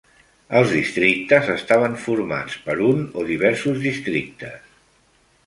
Els districtes estaven formats per un o diversos districtes.